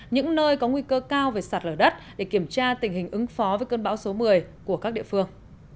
những nơi có nguy cơ cao về sạt lở đất để kiểm tra tình hình ứng phó với cơn bão số một mươi của các địa phương